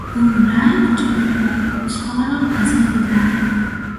او رفت که مرغ و خروسها را غذا بدهد.